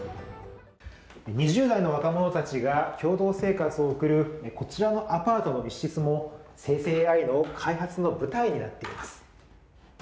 ２０代の若者たちが共同生活を送るこちらのアパートの一室も生成ＡＩの開発の舞台になっています。